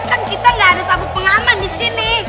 kan kita gak ada tabung pengaman di sini